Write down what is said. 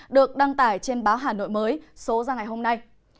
được đăng tải trên báo hà nội mới số ra ngày hôm nay